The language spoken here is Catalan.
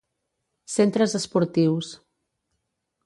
Centres esportius.